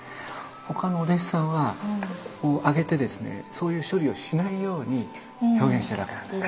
他のお弟子さんはここを上げてですねそういう処理をしないように表現しているわけなんですね。